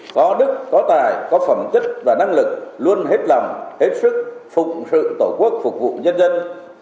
có đức có tài có phẩm kích và năng lực luôn hết lầm hết sức phục sự tổ quốc phục vụ nhân dân